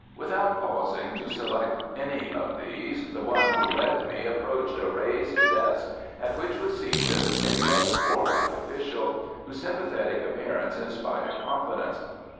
Without pausing to select any of these, the one who led me approached a raised desk at which was seated a less warlike official, whose sympathetic appearance inspired confidence.